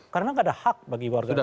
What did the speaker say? karena nggak ada hak bagi warga